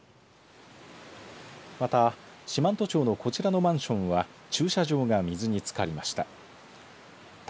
また四万十町のこちらのマンションは駐車場が水につかりました。